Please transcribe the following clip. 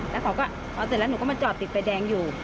แล้วเขาก็พอเสร็จแล้วหนูก็มาจอดติดไฟแดงอยู่